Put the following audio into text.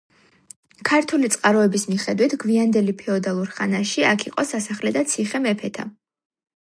ქართული წყაროების მიხედვით, გვიანდელი ფეოდალურ ხანაში აქ იყო „სასახლე და ციხე მეფეთა“.